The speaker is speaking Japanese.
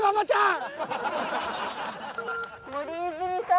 森泉さん